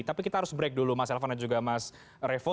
tapi kita harus break dulu mas elvan dan juga mas revo